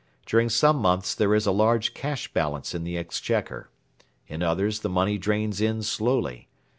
During some months there is a large cash balance in the Exchequer. In others the money drains in slowly.